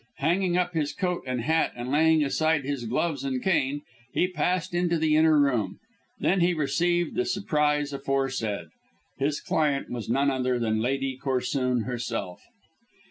Hanging up his coat and hat and laying aside his gloves and cane, he passed into the inner room. Then he received the surprise aforesaid. His client was none other than Lady Corsoon herself.